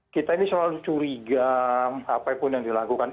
kita ini selalu curiga apa pun yang dilakukan